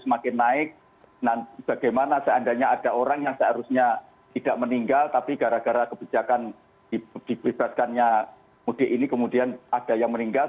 semakin naik bagaimana seandainya ada orang yang seharusnya tidak meninggal tapi gara gara kebijakan dibelibatkannya mudik ini kemudian ada yang meninggal